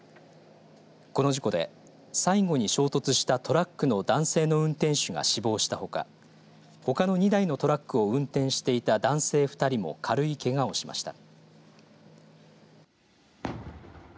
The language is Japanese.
この事故で最後に衝突したトラックの男性の運転手が死亡したほかほかの２台のトラックを運転していた男性２人も軽いけがをしました。